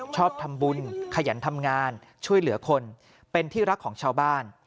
ชอบทำบุญขยันทำงานช่วยเหลือคนเป็นที่รักของชาวบ้าน